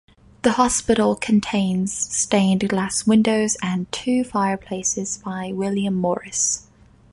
The hospital contains stained glass windows and two fireplaces by William Morris.